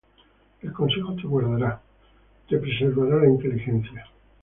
El consejo te guardará, Te preservará la inteligencia: